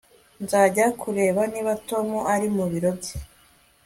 Nzajya kureba niba Tom ari mubiro bye